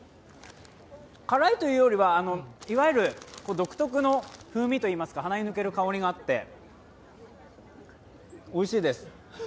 辛いというよりは、独特の風味といいますか鼻に抜ける香りがあって、おいしいです。